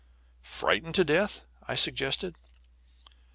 "Frightened to death?" I suggested.